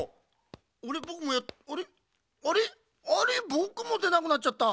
ぼくもでなくなっちゃった。